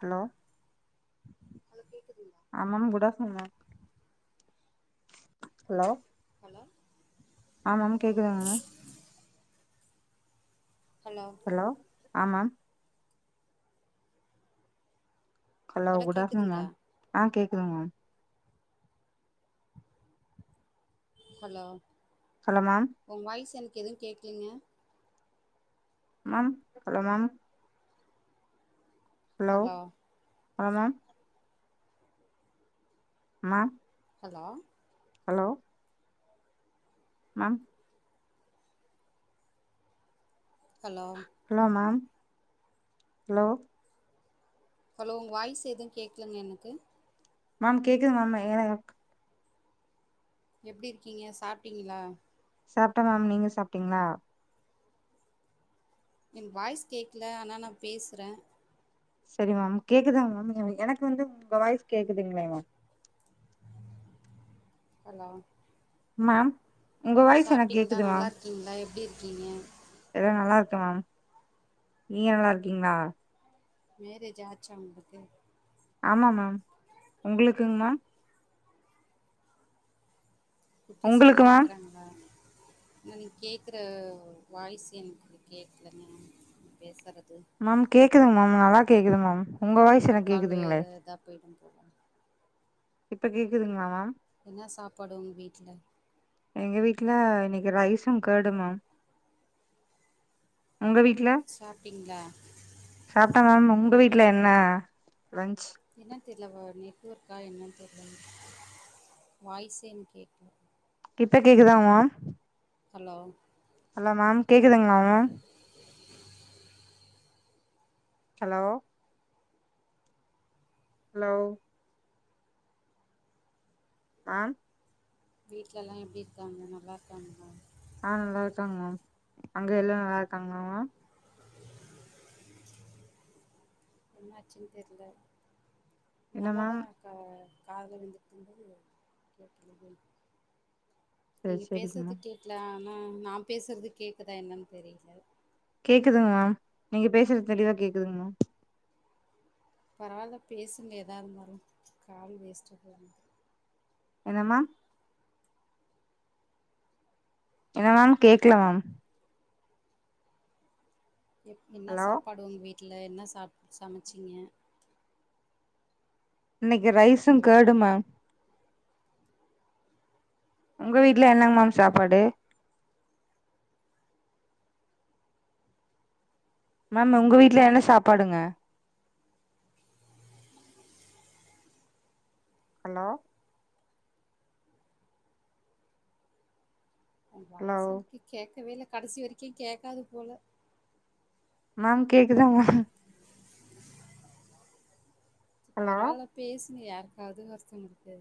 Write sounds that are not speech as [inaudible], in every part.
hello hello கேக்குதுங்ளா ஆ ma'am good afternoon ma'am hello hello ஆமா மேம் கேக்குதுங்கங்க மேம் ஹலோ ஹலோ ஆ ma'am hello good afternoon ma'am அ கேக்குதுங் மேம் ஹலோ ஹலோ மேம் உங் வாய்ஸ் எனக்கு எதுவு கேக்லிங்க மேம் ஹலோ மேம் ஹலோ ஆ ma'am ma'am hello hello ma'am hello hello ma'am hello hello உங்க வாய்ஸ் எது கேக்லங் எனக்கு மேம் கேக்குது மேம் எ [unintelligible] எப்டி இருக்கீங்க சாப்ட்டீங்கிளா சாப்ட மேம் நீங்க சாப்ட்டீங்ளா என் வாய்ஸ் கேக்கல ஆனா நா பேசுற செரி மேம் கேக்குதாங்க மேம் எ எனக்கு வந்து உங்க வாய்ஸ் கேக்குதுங்களேமா ஹலோ மேம் உங்க வாய்ஸ் எனக்கு சாப்ட்டீங்ளா கேக்குது நல்லா மேம் இருக்கீங்ளா எப்டி இருக்கீங்க எல்லா நல்லா இருக்க மேம் நீங்க நல்லா இருக்கீங்ளா மேரேஜ் ஆச்சா உங்களுங்கு ஆமா மேம் உங்களுக்குங் மேம் குட்டிஸுங்ளா உங்களுக்கு மேம் இருக்கறாங்களா நா நீங் கேக்குற வாய்ஸ் எனுக்கு கேக்கலங்க பேசறது மேம் கேக்குதுங் மேம் நல்லா கேக்குது மேம் உங்க இன்னு வாய்ஸ் ஒரு எனக்கு காலு கேக்குதுங்களே இ இதா போய்டும் இப்ப கேக்குதுங்ளா மேம் என்ன சாப்பாடு உங் வீட்ல எங்க வீட்ல இன்னைக்கு ரைசு கேடு மேம் உங்க வீட் சாப்ட்டீங்ளா சாப்ட்ட மேம் உங்க வீட்ல என்ன லன்ச் என்னன் தெர்லவ நெட்வொர்க்கா என்னன் தெர்ல வாய்ஸே என்க் கேக்கல இப்ப கேக்குதா மேம் ஹலோ ஹலோ மேம் கேக்குதுங்ளா மேம் ஹலோ ஹலோ மேம் வீட்ல எல்லா எப்டி இருக்காங்க நல்லா இருக்காங்களா ஆ நல்லா இருக்காங்க மேம் அங்க எல்லா நல்லா இருக்காங்ளா மேம் அ என்னாச்சுன் தெர்ல என்ன நல்லாதா மேம் கா காதுல விழ்ந்துட்ருந்தது [inaudible] சரி நீங்க சரிங்க பேசுறது மேம் கேக்கல ஆனா நா பேசுறது கேக்குதா என்னன் தெரில கேக்குதுங் மேம் நீங்க பேசுறது தெளிவா கேக்குதுங் மேம் பரவால பேசுங்க எதா இருந்தாலு கால் வேஸ்ட்டா போகு என்ன மேம் என்ன மேம் கேக்கல மேம் எப் என்னா ஹலோ சாப்பாடு உங்க வீட்ல என்ன சாப் சமச்சிங்க இன்னைக்கு ரைஸ்சு ஹலோ கேர்டு மேம் உங்க வீட்ல என்னங் மேம் சாப்பாடு மேம் உங்க வீட்ல என்ன சாப்பாடுங்க ஹலோ உ ஹலோ வாய்ஸ்சு எனக்கு கேக்கவே இல்ல கடைசி வரைக்கு கேக்காது போல மேம் கேக்குதா மே ஹலோ பரவால்ல பேசுங்க யாருக்காவது ஒருத்தவ்ங்ளுக்கு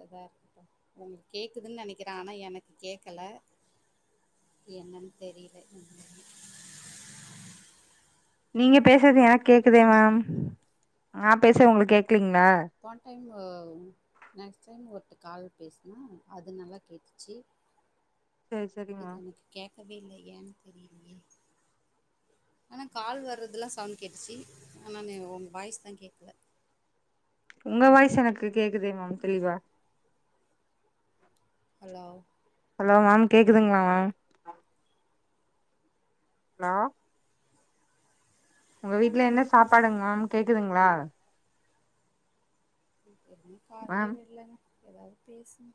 அதா இருக்கட்டு உங்ளுக் கேக்குதுன் நெனைக்றே ஆனா எனக்கு கேக்கல என்னன் தெரில நீங்க பேசது எனக் கேக்குதே மேம் நா பேசது உங்ளுக் கேக்லீங்ளா போன் டைம் ஒ நெக்ஸ்ட் டைம் ஒருட்டு கால் பேசுனா அது நல்லா கேட்டுச்சு சேரி சேரி இது மேம் எனக்கு கேக்கவே இல்ல எ தெரிலையே ஆனா கால் வர்றதுலா சவுண்ட் கேட்டுச்சி ஆனானு ஒங் வாய்ஸ் தா கேக்கல உங்க வாய்சு எனக்கு கேக்குதே மேம் தெளிவா ஹலோ ஹலோ மேம் கேக்குதுங்ளா மேம் ஹலோ உங்க வீட்ல என்ன சாப்பாடுங் மேம் கேக்குதுங்ளா எது காதுல மேம் விழலங்க ஏதாவ்து பேசுங்க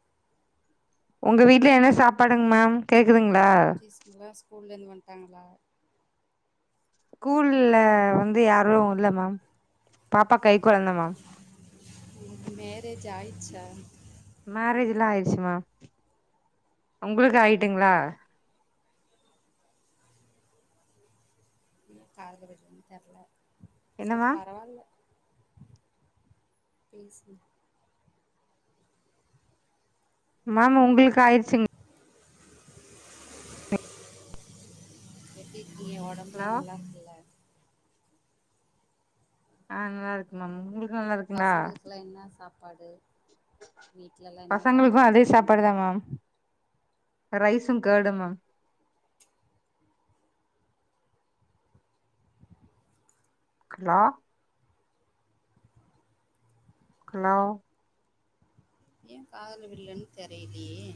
ஒங்க வீட்ல என்ன சாப்பாடுங் மேம் கேக்குதுங்ளா குட்டீஸ்ங்ளா ஸ்கூல்ல இந்து வன்ட்டாங்ளா கூல்ல வந்து யாரு வுல்ல மேம் பாப்பா கை குழந்த மேம் உனக்கு மேரேஜ் ஆயிச்சா மேரேஜ்லா ஆயிடுச்சி மேம் உங்ளுக்கு ஆயிட்டுங்ளா காதுல விழ்லன் தெர்ல என்ன செர் மேம் பரவால்ல பேசுங்க மேம் உங்களுக்கு ஆயிடுச்சுங் எப்டி இருக்கிங்க ஒடம் எல்லா ஹலோ நல்லார்க்ல்ல ஆ நல்லா இருக்கு மேம் உங்ளுக்கு நல்லாருக்குங்ளா பசங்களுக்கெல்லாம் வீட்ல எல்லா பசங்களுக்கு அதே சாப்பாடு தா மேம் ரைஸு கேர்டு மேம் க்லா ஹலோ எ காதுல வில்லன் தெரிலியே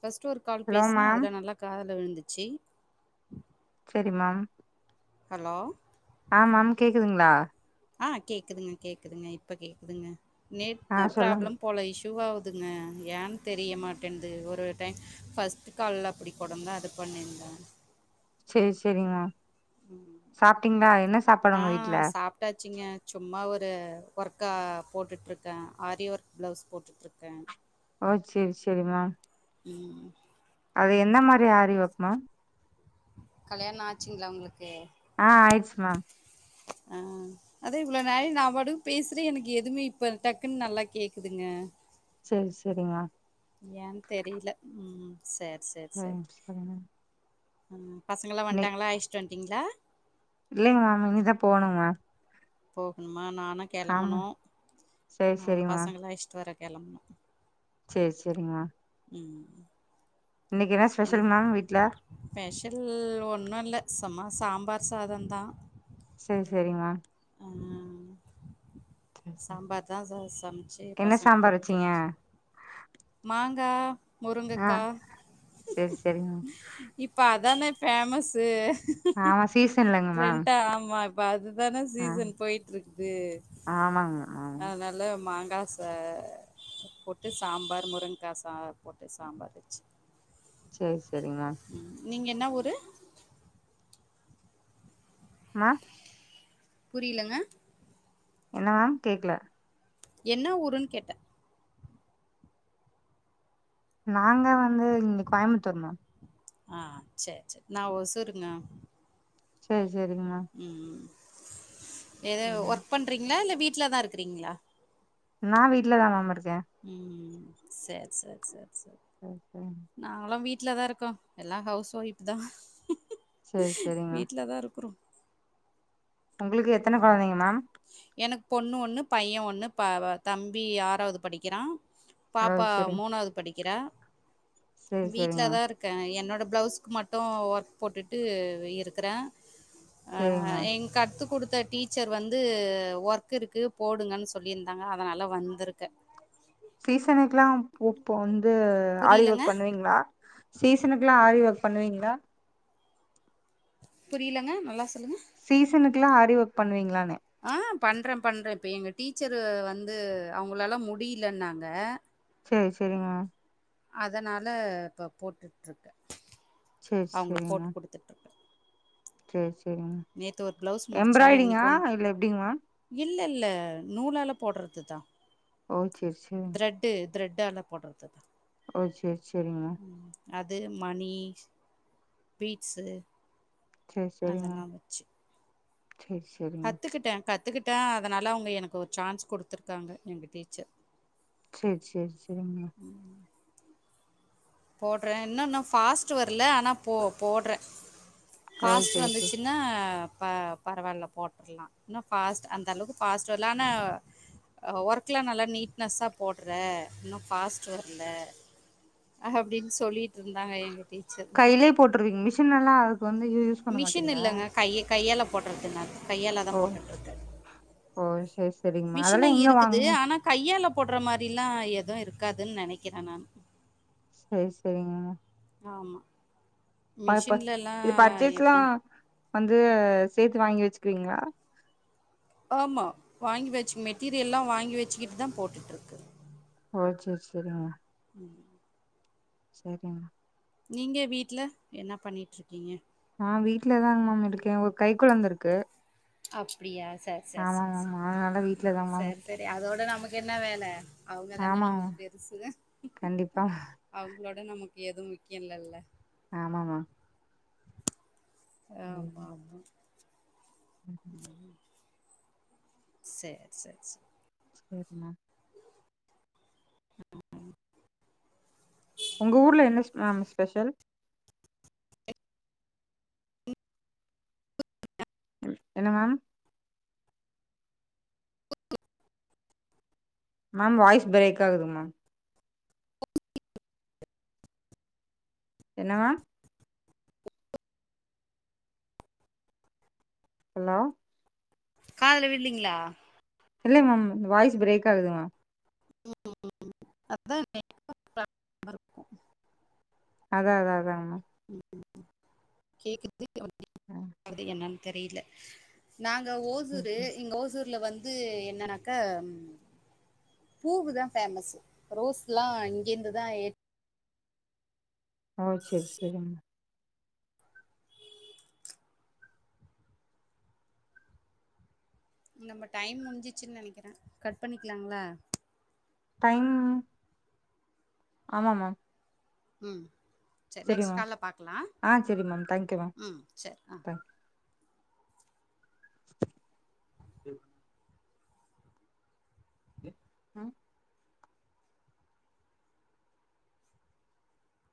ஃபஸ்ட்டு ஒரு கால் ஹலோ பேசுனா மேம் அதுல நல்லா காதுல விழுந்துச்சி சரி மேம் ஹலோ ஆ மேம் கேக்குதுங்ளா ஆ கேக்குதுங்க கேக்குதுங்க இப்ப கேக்குதுங்க ஆ நெட் சொல்லுங்க ப்ராப்ளம் போல இஷு வாவுதுங்க ஏன் தெரிய மாட்டேன்து ஒரு ஒரு டைம் ஃபஸ்ட் கால்ல அப்டி கொடந்தா அது பண்ணிருந்தா செரி செரிம்மா சாப்டீங்ளா என்ன சாப்பாடு உங்க வீட்ல போட்டாச்சிங்க சும்மா ஒரு ஒர்க்கா போட்டுட்டுருக்கே ஆரி ஒர்க் பிளவுஸ் போட்டுட்டுருக் கே ஆ சேரி சேரிமா ம் அது என்ன மாரி ஆரி ஒர்க்மா கல்யாண ஆச்சுங்ளா உங்களுக்கு ஆ ஆயிடுச்மா ஆ அதா இவ்ளோ நாழி நா பாட்டு பேசுறே எனக்கு எதுவுமே இப்ப டக்குன் நல்லா கேக்குதுங்க செரி செரிம்மா ஏன் தெரில ம் சேர் சேர் சேரி சரிங்க பசங்கள்லா வன்டாங்ளா அயிச்சிட்டு வன்டீங்ளா இல்லைங்க மேம் இனிதா போணும் மேம் போகணுமா நானு ஆமா கெளம்பனு செரி நானு செரிங்க பசங்கள அழஸ்டுவர கெளம்பணு சேரி சேரி மேம் ம் இன்னக்கி என்ன என் ஸ்பெஷல் மேம் வீட்ல ஸ்பெஷல் ஒன்னு இல்ல சும்மா சாம்பார் சாதம்தா செரி செரி மேம் ம் செரி செரி சாம்பார் தா ச சமச்சு என்ன பசங்க சாம்பார் வச்சீங்க குட்த்தாச்சு மாங்கா ஆ முருங்கக்கா செரி செரிங்க மேம் இப்ப அதானே ஃபேமஸு ஆமா சீசன் இல்லங்க மேம் ட்ரெண்டா ஆமா இப்ப அதுதானே ஆ சீசன் போயிட்டு இருக்குது ஆமாங்க மேம் ஆமாங்க அதனால மாங்கா ச போட்டு சாம்பார் முருங்கா சா போட்டு சாம்பார் வச்சி சேரி சேரி மேம் நீங்க என்னா ஊரு மேம் புரியலங்க என்ன மேம் கேக்ல என்ன ஊருன் கேட்டே நாங்க வந்து இங்க கோயமுத்தூர் மேம் ஆ சேர் சே நா ஒசூருங்க சேர் சேரிங்க ம் ம் எதோ மேம் ஒர்க் பண்ணுறீங்களா இல்ல வீட்ல தா இருக்றீங்களா நா வீட்ல தா மேம் இருக்க ம் சேர் சேர் சேர் சேர் நாங்களாம் வீட்ல தா இருக்கோ எல்லா ஹவுஸ் ஒய்ப்தா செரி செரிங்க மேம் வீட்லதா இருக்குறோ உங்களுக்கு எத்தன கொழந்தைங்க மேம் எனக்கு பொண்ணு ஒன்னு பைய ஒன்னு ப தம்பி ஆறாவது படிக்கிறா ஓ பாப்பா செரிங்க மூணாவது படிக்கிறா செரி வீட்ல செரிங்க தா மேம் இருக் க என்னோட ப்ளவுஸ்க்கு மட்டு ஒர்க் போட்டுட்டு இருக்ற அ செரிங்க மேம் எ கத்துக் குடுத்த டீச்சர் வந்து ஒர்க் இருக்கு போடுங்கன்னு சொல்லியிருந்தாங்க அதனால வந்துருக்க சீசனுக்குல்லா போ இப்போ வந்து ஆரி புரியலங்க ஒர்க் பண்ணுவீங்ளா சீசனுக்கு எல்லா ஆரி ஒர்க் பண்ணுவீங்ளா புரியலங்க நல்லா சொல்லுங்க சீசனுக்குல்லா ஆரி ஒர்க் பண்ணுவீங்களானே ஆ பண்ற பண்ற இப்போ எங்க டீச்சரு வந்து அவங்களாலா முடிலன்னாக சேரி சேரிங்க அதனால இப்போ போட்டுட்டுருக்கேன் சேரி அவுங்க போட்டு கொடுத்துட்டுருக்கேன் சேர் சேரிங் நேத்து ஒரு பிளவுஸ் முடிச்ச இன்னிக்கு ஒன் எப்டிங்க மேம் இல்ல இல்ல நூலால போடறதுதான் ஓ சேர் சேர் ட்டு திரட்டு ஆல போடுறது தான் ஓ சேர் சேரிங்க அது மணி பீட்ஸு சேர் சேரிங்க அதெல்லாம் சேர் சேர் கத்துக்கிட்ட கத்துக்கிட்ட அதனால அவங்க எனக்கு ஒரு சான்ஸ் குடுத்துருக்காங்க எங்க டீச்சர் சேர் சேர் சேரிங்க ம் போடறேன் என்ன இன்னும் ஃபாஸ்ட் வரல ஆனா போ போடறேன் ஓ பாஸ்ட் சேரி சேரி வந்துச்சு ன்னா ப பரவாயில்ல போட்றலா இன்னு பாஸ்ட் அந்த அளவுக்கு பாஸ்ட் வர்ல ஆனா ஒர்க்லா நல்லா நீட்னஸ்ஸா போடுற இன்னு ஃபாஸ்ட் வர்ல அப்டின்னு சொல்லிட்டு இருந்தாங்க எங்க டீச்சர் கையிலே போட்டுருவீங்க மிஷின் எல்லாம் அதுக்கு வந்து யூஸ் பண்ண மிஷின் மாட்டீங்களா இல்லைங்க கையே கையால போட்றதுங்க கையால தான் ஓ போட்டுட்டு இருக்க ஓ சேரி சேரிங்கம்மா அதெல்லா மிஷினு எங்க இருக்குது வாங்கனு ஆனா கையால போடுற மாரில்லா எதுவும் இருக்காதுன்னு நெனக்கிறேன் நானு சேர் சேரிங்க ஆமா பப மிஷின்லலா இது பர்ச்சேஸ்ல்லாம் எப்டின்னு வந்து சேர்த்து வாங்கி வச்சுக்குவீங்களா ஆமா வாங்கி வச்சி மெட்டீரியல்லல்லாம் வாங்கி வச்சிக்கிட்டு தான் போட்டுட்டுருக்கு ஓ சேர் சேரிங்க ம் சேரிங்க நீங்க வீட்ல என்ன பண்ணிட்ருக்கீங்க அ வீட்டுலதாங்க மேம் இருக்கே ஒரு கை கொழந்த இருக்கு அப்டியா சரி சரி சரி ஆமாங்க சரி மேம் அதனால உம் வீட்லதாங்க மேம் சரி சரி அதோட நமக்கு என்ன வேல அவங்கதாங்க ஆமாங்க நமக்கு பெருசுங்க கண்டிப்பா அவங்களோட நமக்கு எதுவு முக்கியமில்லல்ல ஆமமா ஆமா ஆமா செர் செர் செர் சரிமா உங்க ஊர்ல என்ன ஸ் மேம் ஸ்பெஷல் என்ன மேம் மேம் வாய்ஸ் பிரேக் ஆகுது மேம் என்ன மேம் ஹலோ காதுல விழுலைங்களா இல்ல மேம் வாய்ஸ் பிரேக் ஆகுது மேம் உம் உம் உம் உம் அதானே அதா அதா அதாங்க மேம் உம் கேக்குது மேம் [unintelligible] என்னன்னு தெரியல நாங்க ஆ சேரி ஓசூரு சேரி இங்க ஓசூர்ல வந்து என்னன்னாக்கா பூவு தா ஃபேமஸ்ஸு ரோஸ் லா இங்கேந்துதா ஏ ஓ செரி செரிங் நம்ம டைம் முடிஞ்சிச்சுன்னு நெனைக்கிறே கட் பண்ணிக்கலாங்களா டைம் ஆமா மேம் ம் சரி நெக்ஸ்ட் கால்ல பாக்கலா ஆ சரி மேம் தேங்க்யூ மேம் ம் செரி அ ச [inaudible] ஆ